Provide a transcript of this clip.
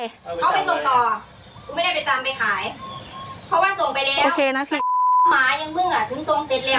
เขาไปส่งต่อกูไม่ได้ไปจำไปหายเพราะว่าส่งไปแล้วโอเคนะ